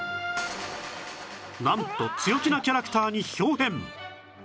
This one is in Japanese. なんと強気なキャラクターに豹変